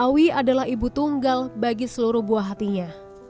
awi adalah ibu tunggal bagi seluruh buah hatinya